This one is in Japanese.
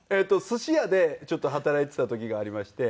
すし屋でちょっと働いていた時がありまして。